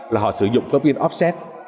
là họ sử dụng phương pháp in offset